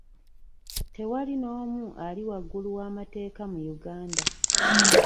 Tewali n'omu ali waggulu w'amateeka mu Uganda.